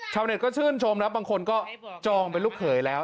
ชาวเน็ตก็ชื่นชมแล้วบางคนก็จองเป็นลูกเขยแล้ว